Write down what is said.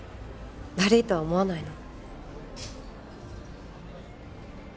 悪いとは思わないの？